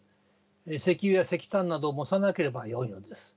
石油や石炭などを燃さなければよいのです。